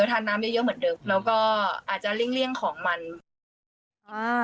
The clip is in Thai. ทานน้ำเยอะเหมือนเดิมแล้วก็อาจจะลิ่งของมัน